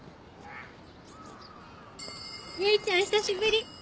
唯ちゃん久しぶり